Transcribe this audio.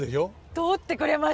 通ってくれました。